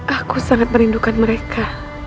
aku sangat merindukan mereka